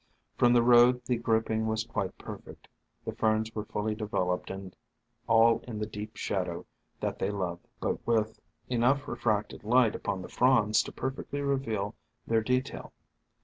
From the road the grouping was quite perfect, the Ferns were fully developed and all in the deep shadow that they love; but with enough refracted light upon the fronds to perfectly reveal their detail.